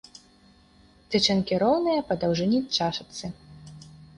Тычынкі роўныя па даўжыні чашачцы.